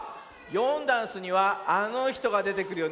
「よんだんす」にはあのひとがでてくるよね。